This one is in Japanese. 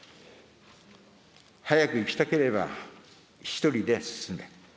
早く行きたければ一人で進め。